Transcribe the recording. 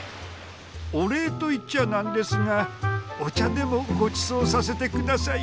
お礼と言っちゃなんですがお茶でもごちそうさせて下さいよ。